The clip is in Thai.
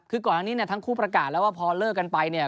คือก่อนทั้งนี้ทั้งคู่ประกาศแล้วว่าพอเลิกกันไป